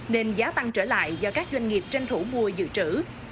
nên giá tăng trở lại do các doanh nghiệp tranh thủ mua dự trữ